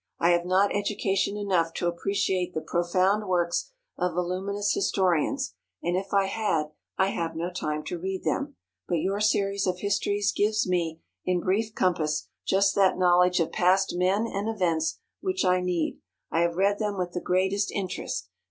I have not education enough to appreciate the profound works of voluminous historians; and if I had, I have no time to read them. But your Series of Histories gives me, in brief compass, just that knowledge of past men and events which I need. I have read them with the greatest interest.